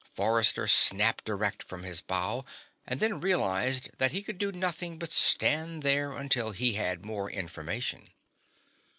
Forrester snapped erect from his bow, and then realized that he could do nothing but stand there until he had more information.